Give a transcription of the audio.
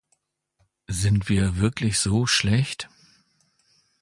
Sind wir wirklich so schlecht?